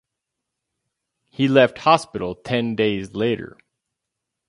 He left hospital ten days later.